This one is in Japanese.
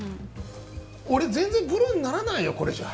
俺、全然ブルーにならないよ、これじゃ。